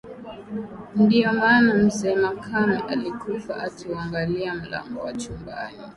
Ndiyo maana mzee Makame alikufa akiuangalia mlango wa chumbani